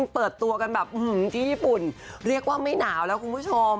เปิดตัวกันแบบที่ญี่ปุ่นเรียกว่าไม่หนาวแล้วคุณผู้ชม